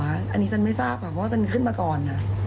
อันนี้ฉันไม่ทราบค่ะเพราะว่าฉันขึ้นมาก่อน